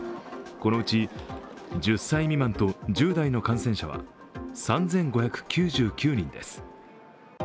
このうち１０歳未満と、１０代の感染者は３５９９人です。